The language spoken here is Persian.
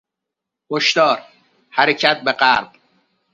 هشدار - حرکت به غرب!